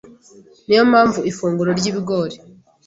Niyo mpamvu ifunguro ry’ibigori